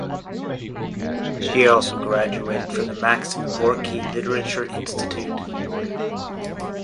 She also graduated from the Maxim Gorky Literature Institute.